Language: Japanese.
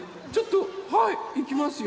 はいいきますよ。